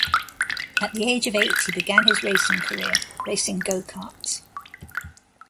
At the age of eight, he began his racing career, racing go-karts.